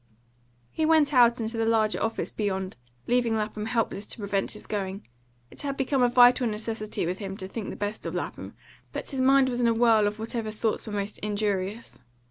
He went out into the larger office beyond, leaving Lapham helpless to prevent his going. It had become a vital necessity with him to think the best of Lapham, but his mind was in a whirl of whatever thoughts were most injurious.